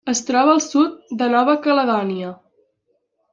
Es troba al sud de Nova Caledònia.